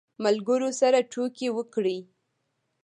ملګرو سره ټوکې وکړې.